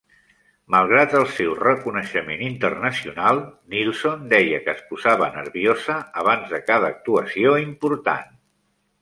Malgrat el seu reconeixement internacional, Nilsson deia que es posava nerviosa abans de cada actuació important.